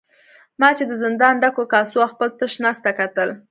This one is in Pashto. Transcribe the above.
ما چې د زندان ډکو کاسو او خپل تش نس ته کتل.